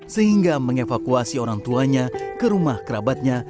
sehingga mengevakuasi orang tuanya ke rumah kerabatnya